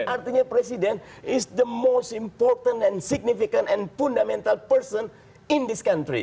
artinya presiden adalah orang yang paling penting dan penting dan fundamental di negara ini